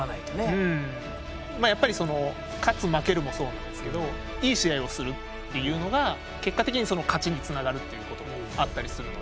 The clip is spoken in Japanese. やっぱり勝つ負けるもそうなんですけどいい試合をするっていうのが結果的に勝ちにつながるっていうこともあったりするので。